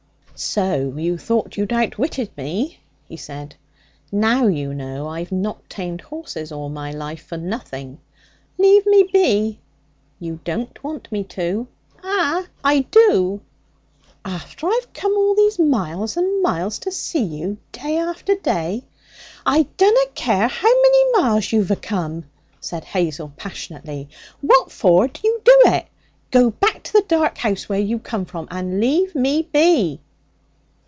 'So you thought you'd outwitted me?' he said. 'Now you know I've not tamed horses all my life for nothing.' 'Leave me be.' 'You don't want me to.' 'Ah! I do.' 'After I've come all these miles and miles to see you, day after day?' 'I dunna care how many miles you've acome,' said Hazel passionately; 'what for do you do it? Go back to the dark house where you come from, and leave me be!'